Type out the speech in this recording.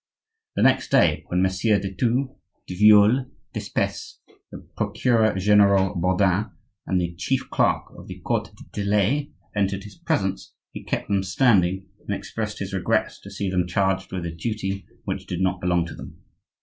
The next day, when Messieurs de Thou, de Viole, d'Espesse, the procureur general Bourdin, and the chief clerk of the court du Tillet, entered his presence, he kept them standing, and expressed his regrets to see them charged with a duty which did not belong to them.